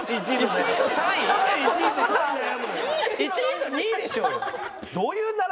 １位と２位でしょうよ。